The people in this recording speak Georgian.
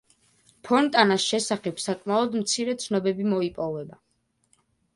ფონტანას შესახებ საკმაოდ მცირე ცნობები მოიპოვება.